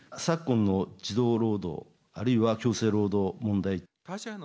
昨今の児童労働あるいは、強制労働問題。